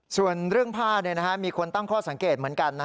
ส่วนเรื่องผ้ามีคนตั้งข้อสังเกตเหมือนกัน